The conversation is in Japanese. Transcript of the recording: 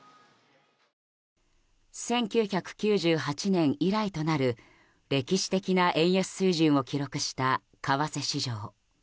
１９９８年以来となる歴史的な円安水準を記録した為替市場。